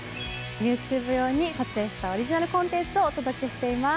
ＹｏｕＴｕｂｅ用に撮影したオリジナルコンテンツをお届けしています。